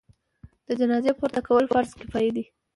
د جنازې پورته کول فرض کفایي دی.